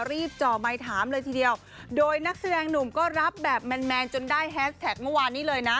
จ่อไมค์ถามเลยทีเดียวโดยนักแสดงหนุ่มก็รับแบบแมนแมนจนได้แฮสแท็กเมื่อวานนี้เลยนะ